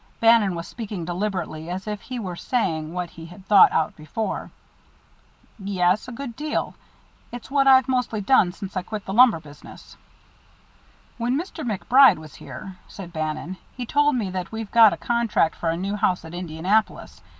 Bannon was speaking deliberately, as if he were saying what he had thought out before. "Yes, a good deal. It's what I've mostly done since I quit the lumber business." "When Mr. MacBride was here," said Bannon, "he told me that we've got a contract for a new house at Indianapolis.